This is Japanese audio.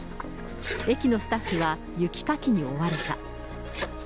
駅のスタッフは雪かきに追われた。